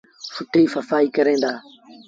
سُٺيٚ سڦآئيٚ ڪرين دآ۔